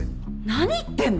何言ってんの！？